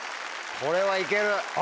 これは行ける！